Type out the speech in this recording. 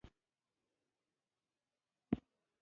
هسپانیا په اتلس سوه پنځه پنځوس کال کې اقدام وکړ.